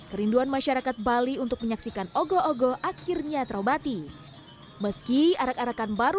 hai rinduan masyarakat bali untuk menyaksikan ogol ogol akhirnya terobati meski arak arakan baru